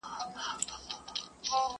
چي که مړ سوم زه به څرنګه یادېږم؟!!